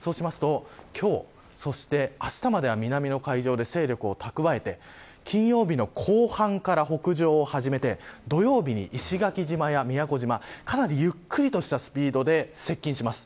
今日そして、あしたまでは南の海上で勢力を蓄えて金曜日の後半から北上を始めて土曜日に石垣島や宮古島かなり、ゆっくりとしたスピードで接近します。